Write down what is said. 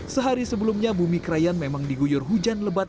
sehari sebelumnya bumi krayan memang diguyur hujan lebat